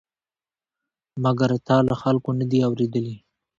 مګر تا له خلکو نه دي اورېدلي؟